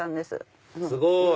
すごい！